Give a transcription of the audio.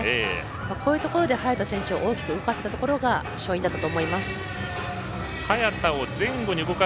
こういうところで早田選手を大きく動かせたことが勝因だったと思います。